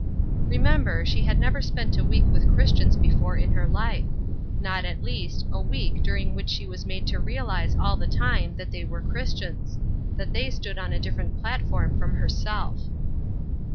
Remember, she had never spent a week with Christians before in her life; not, at least, a week during which she was made to realize all the time that they were Christians; that they stood on a different platform from herself.